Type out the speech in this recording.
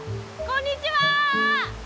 こんにちは。